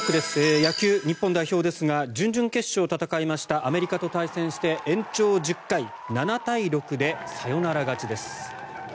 野球日本代表ですが準々決勝を戦いましたアメリカと戦いまして延長１０回７対６でサヨナラ勝ちです。